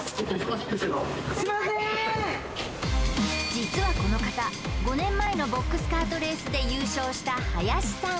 実はこの方５年前のボックスカートレースで優勝した林さん